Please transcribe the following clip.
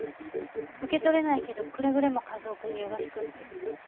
「受け取れないけどくれぐれも一男くんによろしく」って。